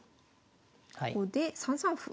ここで３三歩。